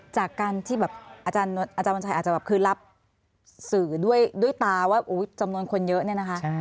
จากการที่แบบอาจารย์วันชัยอาจจะแบบคือรับสื่อด้วยตาว่าจำนวนคนเยอะเนี่ยนะคะ